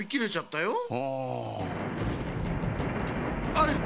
あれ？